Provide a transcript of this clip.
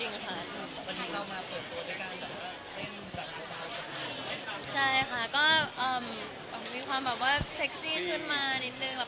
สันลองมาเปิดตัวด้วยกันนี่เป็นสถานการณ์จากเมืองครับ